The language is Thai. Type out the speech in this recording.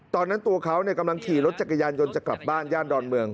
ตอนนั้นตัวเขากำลังขี่รถจักรยานยนต์จะกลับบ้านย่านดอนเมือง